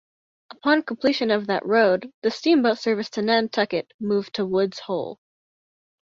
Upon completion of that road, the steamboat service to Nantucket moved to Woods Hole.